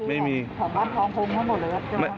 อันนี้คือของวัดทองคงทั้งหมดหรือครับ